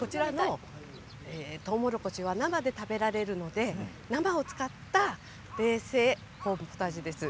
とうもろこしは生で食べられるので生を使った冷製コーンポタージュです。